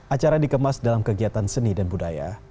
acara dikemas dalam kegiatan seni dan budaya